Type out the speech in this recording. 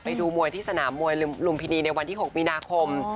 ไปดูมวยที่สนามมวยลุมพินีในวันที่๖มีนาคม